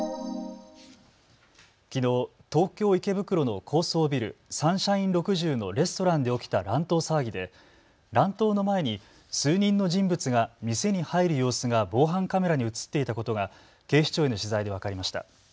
きのう東京池袋の高層ビル、サンシャイン６０のレストランで起きた乱闘騒ぎで乱闘の前に数人の人物が店に入る様子が防犯カメラに写っていたことが警視庁への取材で分かりました。